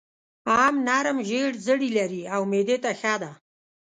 ام نرم زېړ زړي لري او معدې ته ښه ده.